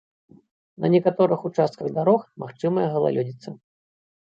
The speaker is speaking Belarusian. На некаторых участках дарог магчымая галалёдзіца.